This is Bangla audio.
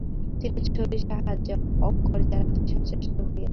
তিনি ছবির সাহায্য অক্ষর চেনাতে সচেষ্ট হয়েছিলেন।